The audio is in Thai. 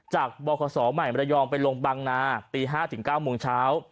จากบรคสใหม่มรยองไปลงบางนาตี๕๙โมงเช้า